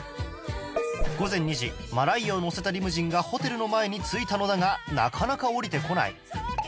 午前２時マライアを乗せたリムジンがホテルの前に着いたのだがなかなか降りてこない